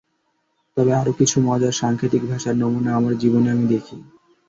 তবে আরও কিছু মজার সাংকেতিক ভাষার নমুনা আমার জীবনে আমি দেখি।